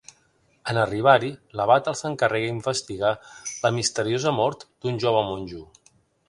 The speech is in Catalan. En arribar-hi, l'abat els encarrega investigar la misteriosa mort d'un jove monjo.